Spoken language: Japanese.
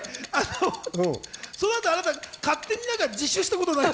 そうなると、あなた勝手に自首したことになる。